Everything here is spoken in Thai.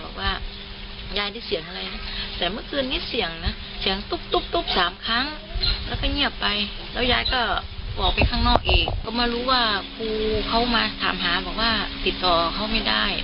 บอกไปข้างนอกเองก็มารู้ว่าครูเขามาถามหาบอกว่าติดต่อเขาไม่ได้